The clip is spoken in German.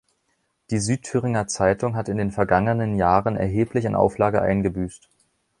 Die "Südthüringer Zeitung" hat in den vergangenen Jahren erheblich an Auflage eingebüßt.